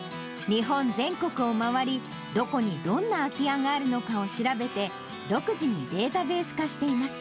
日本全国を回り、どこにどんな空き家があるのかを調べて、独自にデータベース化しています。